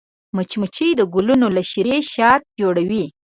مچمچۍ د ګلونو له شيرې شات جوړوي